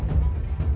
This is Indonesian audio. oh dewa tak agung